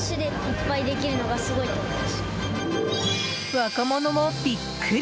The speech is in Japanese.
若者もビックリ！